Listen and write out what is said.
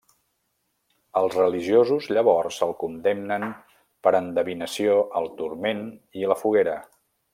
Els religiosos llavors el condemnen per endevinació al turment i la foguera.